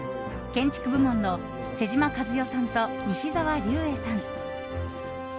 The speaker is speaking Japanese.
建築部門の妹島和世さんと西沢立衛さん